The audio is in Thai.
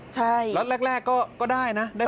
ใช่ล็อตแรกก็ได้นะ